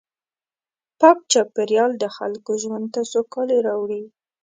پاک چاپېریال د خلکو ژوند ته سوکالي راوړي.